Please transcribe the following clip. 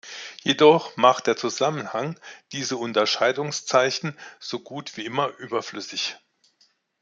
Jedoch macht der Zusammenhang diese Unterscheidungszeichen so gut wie immer überflüssig.